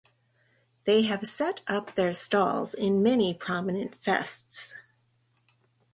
They have setup their stalls in many prominent fests.